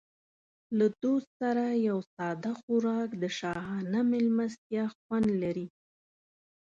له دوست سره یو ساده خوراک د شاهانه مېلمستیا خوند لري.